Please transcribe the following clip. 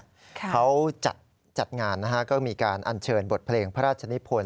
เขาจัดงานนะฮะก็มีการอัญเชิญบทเพลงพระราชนิพล